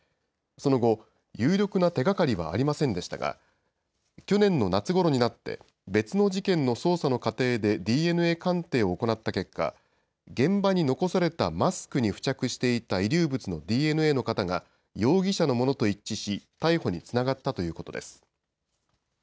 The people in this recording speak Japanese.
その後、有力な手がかりはありませんでしたが、去年の夏ごろになって、別の事件の捜査の過程でＤＮＡ鑑定を行った結果、現場に残されたマスクに付着していた遺留物のＤＮＡの型が容疑者のものと一致し、逮捕につながったということです。